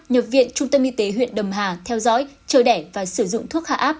nhập viện trung tâm y tế huyện đầm hà theo dõi chơi đẻ và sử dụng thuốc hạ áp